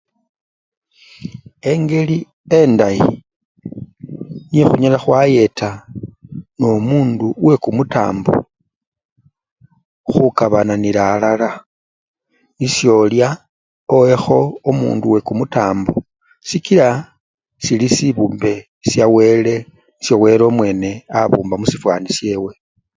Engeli endayi niye khunyala khwayeta nende omundu wekumutambo, khukabananila atwela, nisyo olyakho, owekho omundu wekumutambo, sikila sili sibumbe syawele nisyo wele omwene abumba musifwani syewe.